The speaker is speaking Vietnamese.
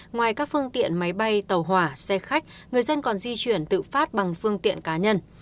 ngoài các phương tiện máy bay tàu hỏa xe khách người dân còn di chuyển tự phát bằng phương tiện cá nhân